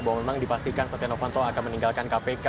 bahwa memang dipastikan setia novanto akan meninggalkan kpk